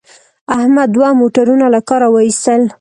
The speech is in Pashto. احمد دوه موټرونه له کاره و ایستل.